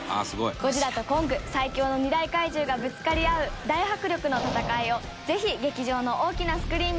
ゴジラとコング最強の２大怪獣がぶつかり合う大迫力の戦いをぜひ劇場の大きなスクリーンで体感してください。